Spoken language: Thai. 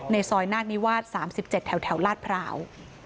ซอยนาคนิวาส๓๗แถวลาดพร้าว